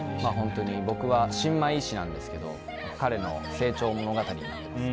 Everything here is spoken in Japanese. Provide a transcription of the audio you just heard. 僕は、新米医師なんですけど彼の成長物語になっています。